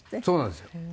そうなんですよ。